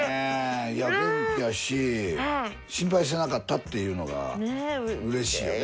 いや元気やし心配してなかったっていうのがうれしいよね。